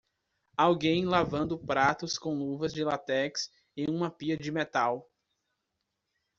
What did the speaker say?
Alguém lavando pratos com luvas de látex em uma pia de metal.